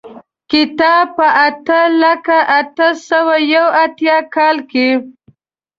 کتاب په اته لکه اته سوه یو اتیا کال کې.